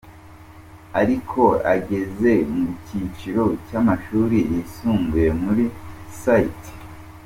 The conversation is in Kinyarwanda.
Ariko ageze mu cyiciro cy’amashuri yisumbuye muri St.